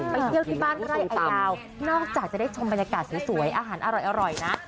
ไปเที่ยวที่บ้านไร่ไอดาวนอกจากจะได้ชมบรรยากาศสวยอาหารอร่อยนะ